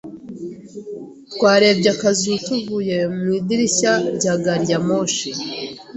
Twarebye akazu tuvuye mu idirishya rya gari ya moshi.